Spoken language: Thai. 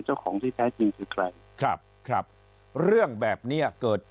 เจ้าของที่แท้จริงคือใครครับครับเรื่องแบบเนี้ยเกิด